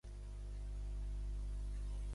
Igual que El Palmar, és conegut pels seus arrossos.